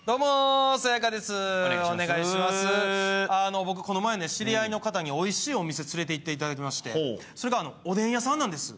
僕、この前ね、知り合いの方においしいお店連れていっていただきましてそれが、おでん屋さんなんですよ。